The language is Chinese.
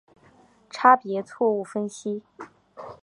差别错误分析。